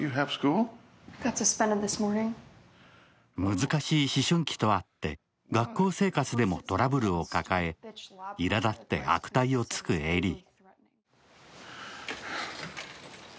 難しい思春期とあって、学校生活でもトラブルを抱え、いらだって悪態をつくエリー。